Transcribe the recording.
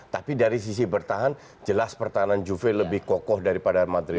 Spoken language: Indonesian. tapi dari sisi bertahan jelas pertahanan juve lebih kokoh daripada material